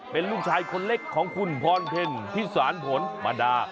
เป็นลูกชายคนเล็กของคุณพรเพ็ญพิสารผลมาดา